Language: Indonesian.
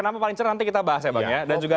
mau pulang cepat ke rumah